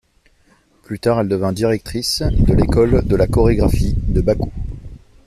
Plus tard elle devint directrice de l'École de la chorégraphie de Bakou.